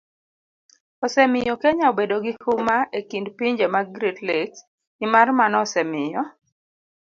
osemiyo Kenya obedo gi huma e kind pinje mag Great Lakes, nimar mano osemiyo